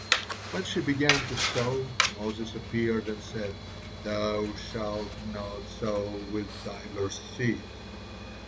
When she began to sow, Moses appeared and said: 'Thou shalt not sow with divers seeds.'